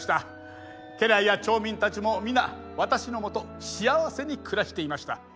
家来や町民たちも皆私のもと幸せに暮らしていました。